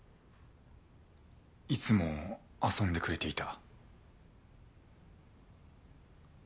いつも遊んでくれていた？